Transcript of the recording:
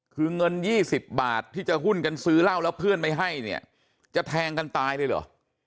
คือเงิน๒๐บาทที่จะหุ้นกันซื้อเหล้าแล้วเพื่อนไม่ให้เนี่ยจะแทงกันตายเลยเหรอ